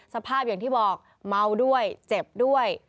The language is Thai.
สภาพอย่างที่บอกเมาด้วยเจ็บด้วย